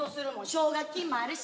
奨学金もあるし。